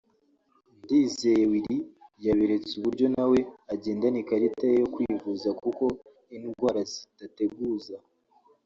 Ndizeye Willy yaberetse uburyo nawe agendana ikarita ye yo kwivuza kuko indwara zidateguza